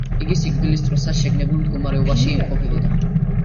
იგი სიკვდილის დროსაც შეგნებულ მდგომარეობაში იმყოფებოდა.